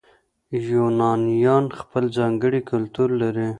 یونانیان خپل ځانګړی کلتور لري.